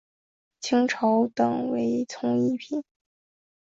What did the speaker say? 清朝品等为从一品。